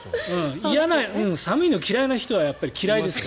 寒いのが嫌いな人は嫌いです。